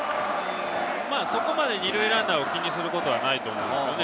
そこまで２塁ランナーを気にすることはないと思うんですよね。